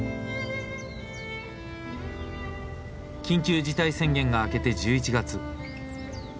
緊急事態宣言が明けて１１月。